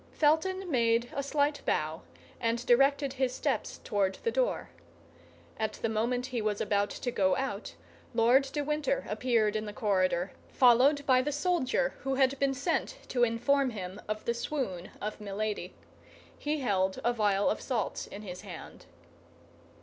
Felton made a slight bow, and directed his steps toward the door. At the moment he was about to go out, Lord de Winter appeared in the corridor, followed by the soldier who had been sent to inform him of the swoon of Milady. He held a vial of salts in his hand.